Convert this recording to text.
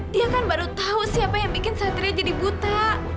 dia kan baru tahu siapa yang bikin satria jadi buta